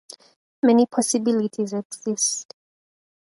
Many possibilities exist.